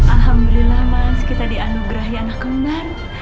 alhamdulillah mas kita dianugerahi anak kembar